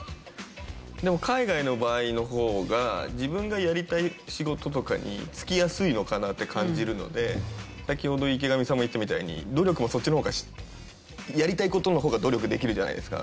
でも海外の場合の方が自分がやりたい仕事とかに就きやすいのかなって感じるので先ほど池上さんも言ったみたいに努力もそっちの方がやりたい事の方が努力できるじゃないですか。